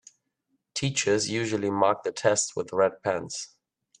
Teachers usually mark the tests with red pens.